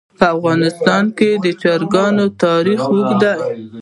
په افغانستان کې د چرګان تاریخ اوږد دی.